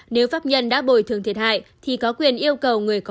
nếu pháp nhân đã bồi thường thiệt hại thì có quyền yêu cầu người có